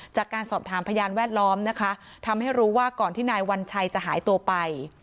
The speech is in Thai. จากการสอบถามพยานแวดล้อมนะคะทำให้รู้ว่าก่อนที่นายวัญชัยจะหายตัวไป